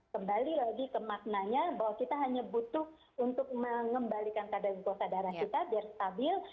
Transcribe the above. kembali lagi ke maknanya bahwa kita hanya butuh untuk mengembalikan kadar glukosa darah kita biar stabil